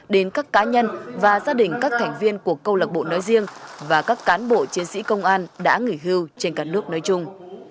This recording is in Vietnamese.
đến các cá nhân và gia đình các thành viên của câu lạc bộ nói riêng và các cán bộ chiến sĩ công an đã nghỉ hưu trên cả nước nói chung